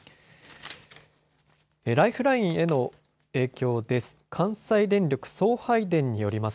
ライフラインへの影響です。